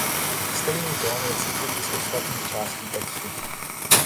Stejný tón je cítit i z ostatních částí textu.